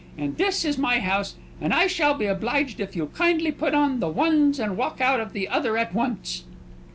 And this is my house; and I shall be obliged if you'll kindly put on the ones, and walk out of the other at once!"